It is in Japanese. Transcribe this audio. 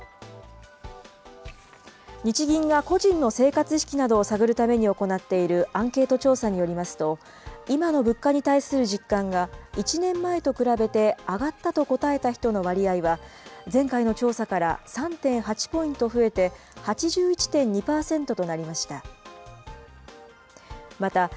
日銀が個人の生活意識などを探るために行っているアンケート調査によりますと、今の物価に対する実感が１年前と比べて上がったと答えた人の割合は、前回の調査から３．８ポイント増えて８１．２％となりました。